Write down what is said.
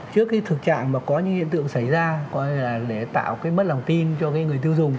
trước cái thực trạng mà có những hiện tượng xảy ra để tạo cái mất lòng tin cho người tiêu dùng